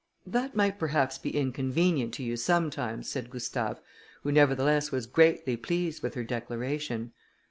"That might perhaps be inconvenient to you sometimes," said Gustave, who nevertheless was greatly pleased with her declaration.